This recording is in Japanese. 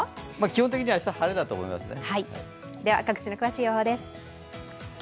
基本的に明日は晴れだと思いますね。